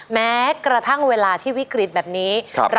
แม้กระทั่งเวลาที่วิกฤตแบบนี้